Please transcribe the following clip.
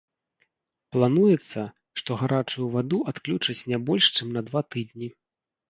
Плануецца, што гарачую ваду адключаць не больш чым на два тыдні.